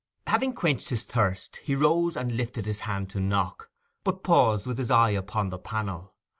Having quenched his thirst he rose and lifted his hand to knock, but paused with his eye upon the panel.